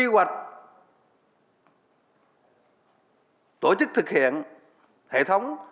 hoạch tổ chức thực hiện hệ thống